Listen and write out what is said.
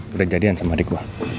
berjadian sama adik lo